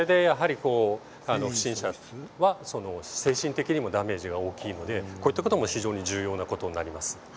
不審者は精神的にもダメージが大きいのでこういったことも重要になります。